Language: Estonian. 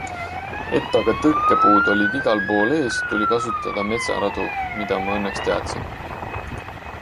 Et aga tõkkepuud olid igal pool ees, tuli kasutada metsaradu, mida ma õnneks teadsin.